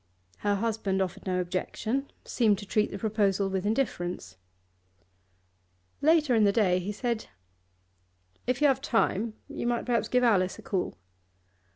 Her husband offered no objection, seemed to treat the proposal with indifference. Later in the day he said: 'If you have time, you might perhaps give Alice a call.